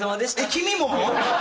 君も！？